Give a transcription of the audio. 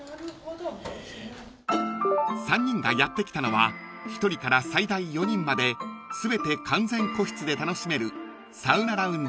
［３人がやって来たのは１人から最大４人まで全て完全個室で楽しめる］